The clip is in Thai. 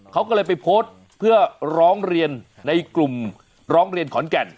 เขาก็เลยไปโพสต์เพื่อร้องเรียนในกลุ่มร้องเรียนขอนแก่น